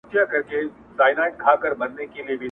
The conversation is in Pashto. وس پردی وو د خانانو ملکانو!!